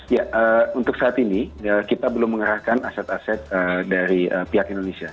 ya untuk saat ini kita belum mengerahkan aset aset dari pihak indonesia